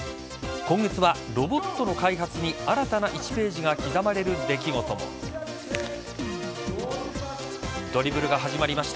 今月はロボットの開発に新たな１ページが刻まれるドリブルが始まりました。